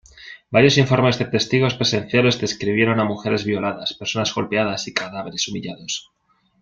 Varios informes de testigos presenciales describieron a mujeres violadas, personas golpeadas y cadáveres humillados.